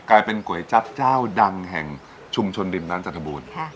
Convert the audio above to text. กลายเป็นก๋วยจั๊บเจ้าดังแห่งชุมชนดินด้านจันทบุญค่ะ